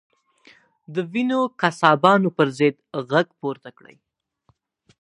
د وینو قصابانو پر ضد غږ پورته کړئ.